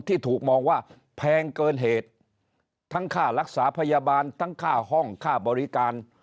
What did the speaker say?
ที่ถูกมองว่าแพงเกินเหตุทั้งค่ารักษาพยาบาลทั้งค่าห้องค่าบริการ